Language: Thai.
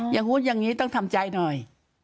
อย่างนู้นอย่างนี้ต้องทำใจหน่อย